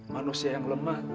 manusia yang lemah